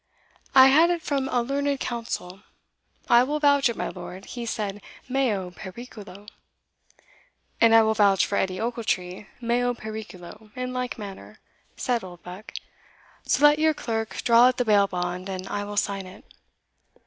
I had it from a learned counsel. I will vouch it, my lord, he said, meo periculo." "And I will vouch for Edie Ochiltree, meo periculo, in like manner," said Oldbuck. "So let your clerk draw out the bail bond, and I will sign it."